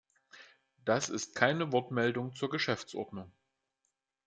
Das ist keine Wortmeldung zur Geschäftsordnung.